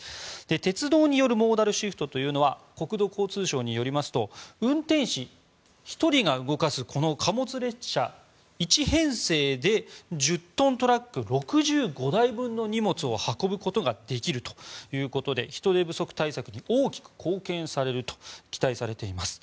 鉄道によるモーダルシフトというのは国土交通省によりますと運転士１人が動かすこの貨物列車１編成で１０トントラック６５台分の荷物を運ぶことができるということで人手不足対策に大きく貢献すると期待されています。